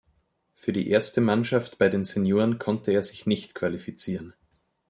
Für die erste Mannschaft bei den Senioren konnte er sich nicht qualifizieren.